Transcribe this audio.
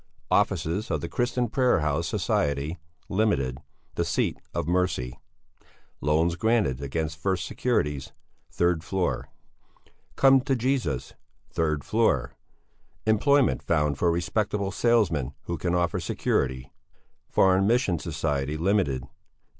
Offices of the Christian Prayer House Society, Ltd., The Seat of Mercy. Loans granted against first securities, third floor. Come to Jesus, third floor. Employment found for respectable salesmen who can offer security. Foreign Missions Society, Ltd.